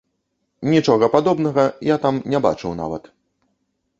Нічога падобнага я там не бачыў нават.